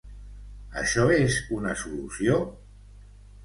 Això és una solució?